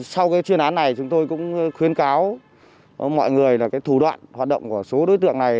sau cái chuyên án này chúng tôi cũng khuyến cáo mọi người là thủ đoạn hoạt động của số đối tượng này